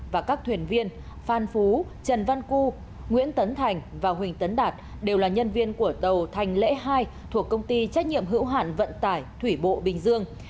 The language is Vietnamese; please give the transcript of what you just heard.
và các thuyền viên phan phú trần văn cư nguyễn tấn thành và huỳnh tấn đạt đều là nhân viên của tàu thành lễ hai thuộc công ty trách nhiệm hữu hạn vận tải thủy bộ bình dương